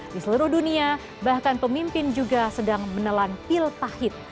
di seluruh dunia bahkan pemimpin juga sedang menelan pil pahit